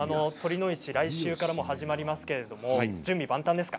酉の市、来週から始まりますけれど準備は万端ですか？